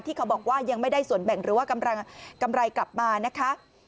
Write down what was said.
เขาบอกว่ายังไม่ได้ส่วนแบ่งหรือว่ากำไรกลับมานะคะ